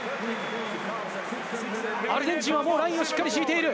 アルゼンチンはもう、ラインをしっかり敷いている。